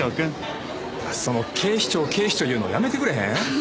その「警視庁警視庁」言うのやめてくれへん？